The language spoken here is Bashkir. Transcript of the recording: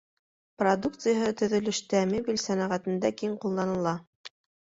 Продукцияһы төҙөлөштә, мебель сәнәғәтендә киң ҡулланыла.